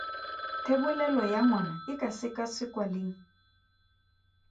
Thebolelo ya ngwana e ka sekasekwa leng?